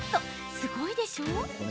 すごいでしょう！